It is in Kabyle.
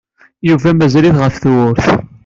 Yuba mazal-it ɣef tewwurt.